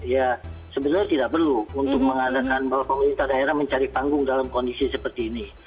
ya sebenarnya tidak perlu untuk mengadakan bahwa pemerintah daerah mencari panggung dalam kondisi seperti ini